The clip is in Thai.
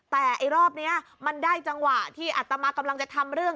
แต่ไอ้รอบนี้มันได้จังหวะที่อัตมากำลังจะทำเรื่อง